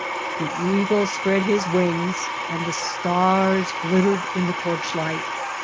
The eagle spread his wings, anid the stars glittered in the torchlight.